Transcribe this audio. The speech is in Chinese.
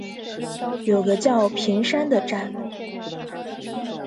有个叫“平山”的站。